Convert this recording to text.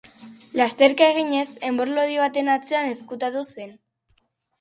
Lasterka eginez enbor lodi baten atzean ezkutatu zen.